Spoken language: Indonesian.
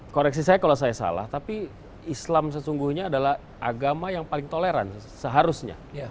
koreksi saya kalau saya salah tapi islam sesungguhnya adalah agama yang paling toleran seharusnya